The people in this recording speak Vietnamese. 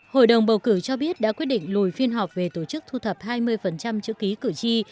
hội đồng bầu cử cho biết đã quyết định lùi phiên họp về tổ chức thu thập hai mươi chữ ký cử tri